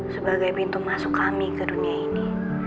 sebagai pintu masuk kami ke dunia ini